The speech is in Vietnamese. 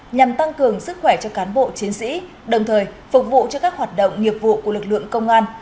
nhằm tăng cường sức khỏe cho cán bộ chiến sĩ đồng thời phục vụ cho các hoạt động nghiệp vụ của lực lượng công an